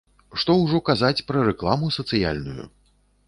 Што ўжо казаць пра рэкламу сацыяльную!